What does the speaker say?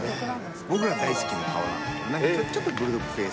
僕が大好きな顔なんだよね、ちょっとブルドッグ系の。